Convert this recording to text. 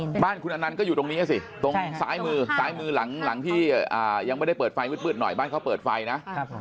๖โมงเย็นบ้านคุณอนันต์ก็อยู่ตรงนี้สิตรงซ้ายมือซ้ายมือหลังที่ยังไม่ได้เปิดไฟวืดหน่อยบ้านเค้าเปิดไฟนะ